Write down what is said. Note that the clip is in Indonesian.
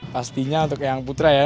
pastinya untuk yang putra ya